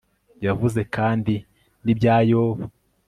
yavuze kandi n'ibya yobu